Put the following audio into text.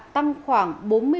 tăng khoảng bốn mươi bảy tám